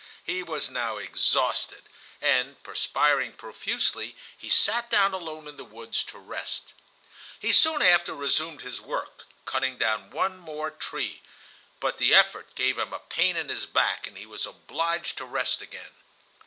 He was now exhausted, and, perspiring profusely, he sat down alone in the woods to rest. He soon after resumed his work, cutting down one more tree; but the effort gave him a pain in his back, and he was obliged to rest again.